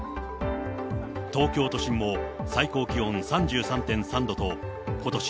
東京都心も最高気温３３．３度と、ことし